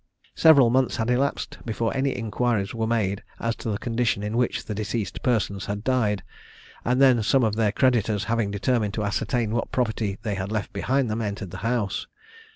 Several months had elapsed before any inquiries were made as to the condition in which the deceased persons had died, and then some of their creditors having determined to ascertain what property they had left behind them, entered the house.